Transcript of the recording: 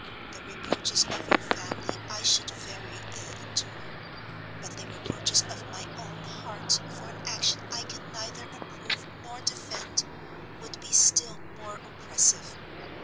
The reproaches of your family I should very ill endure; but the reproaches of my own heart for an action I can neither approve nor defend, would be still more oppressive.